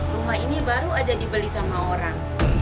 rumah ini baru aja dibeli sama orang